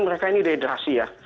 mereka ini dehidrasi ya